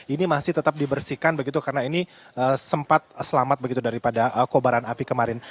ini masih tetap dibersihkan begitu karena ini sempat selamat begitu daripada kobaran api kemarin